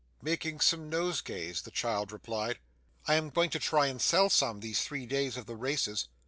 'Making some nosegays,' the child replied; 'I am going to try and sell some, these three days of the races.